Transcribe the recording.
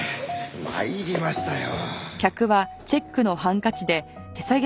参りましたよ。